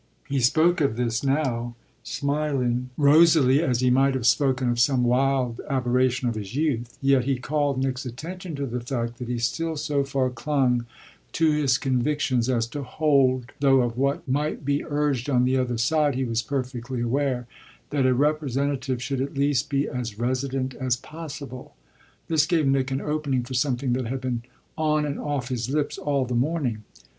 He spoke of this now, smiling rosily, as he might have spoken of some wild aberration of his youth; yet he called Nick's attention to the fact that he still so far clung to his conviction as to hold though of what might be urged on the other side he was perfectly aware that a representative should at least be as resident as possible. This gave Nick an opening for something that had been on and off his lips all the morning.